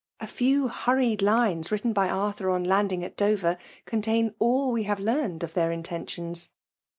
A few hurried lines written by Arthur on. laodi^ig 9^ Dover^ contain all we have learned of. thdr intentions.''